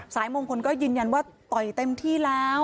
มงคลก็ยืนยันว่าต่อยเต็มที่แล้ว